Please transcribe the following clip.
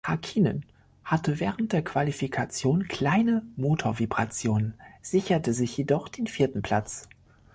Hakkinen hatte während der Qualifikation kleine Motorvibrationen, sicherte sich jedoch den vierten Platz.